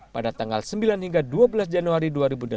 pada tanggal sembilan hingga dua belas januari dua ribu delapan belas